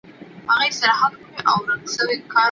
د بریا منارونه یوازي د لایقو لخوا نه سي جوړېدای.